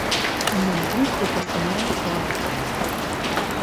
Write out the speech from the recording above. In dem Buch wird das Meer vorgestellt.